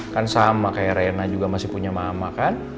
kan sama kayak rena juga masih punya mama kan